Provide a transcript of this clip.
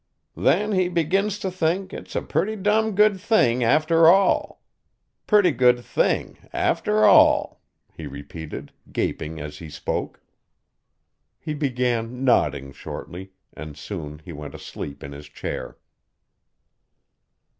Then he begins t' think it's a purty dum good thing, after all. Purty good thing, after all,' he repeated, gaping as he spoke. He began nodding shortly, and soon he went asleep in his chair.